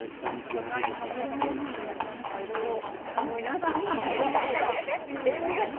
いろいろ思い出す。